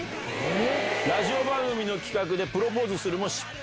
ラジオ番組の企画でプロポーズするも失敗。